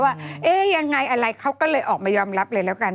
ว่าเอ๊ะยังไงอะไรเขาก็เลยออกมายอมรับเลยแล้วกัน